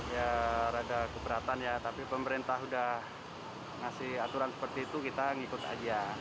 ya rada keberatan ya tapi pemerintah udah ngasih aturan seperti itu kita ngikut aja